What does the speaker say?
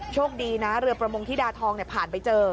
โชคดีนะเรือประมงธิดาทองผ่านไปเจอ